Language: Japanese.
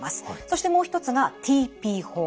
そしてもう一つがＴＰ法。